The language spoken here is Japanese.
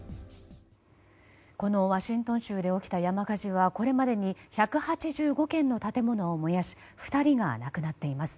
このワシントン州で起きた山火事はこれまでに１８５軒の建物を燃やし２人が亡くなっています。